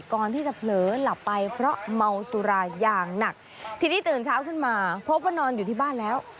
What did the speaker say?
ก่อนที่จะเผลอหลับไปเพราะเมาสุราอย่างหนักทีนี้ตื่นเช้าขึ้นมาพบว่านอนอยู่ที่บ้านแล้ว